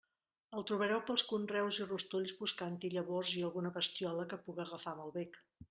El trobareu pels conreus i rostolls buscant-hi llavors i alguna bestiola que puga agafar amb el bec.